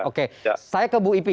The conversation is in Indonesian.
oke saya ke bu ipi